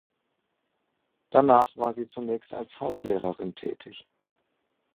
Danach war sie zunächst als Hauslehrerin tätig.